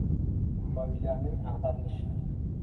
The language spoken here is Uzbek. Umaviylarning ag‘darilishi.